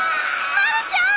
まるちゃん！